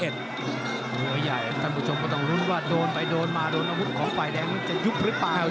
มวยใหญ่ท่านผู้ชมก็ต้องลุ้นว่าโดนไปโดนมาโดนอาวุธของฝ่ายแดงนั้นจะยุบหรือเปล่า